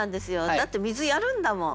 だって水やるんだもん。